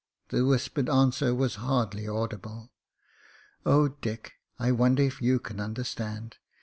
The whispered answer was hardly audible. "Oh, Dick, I wonder if you can understand.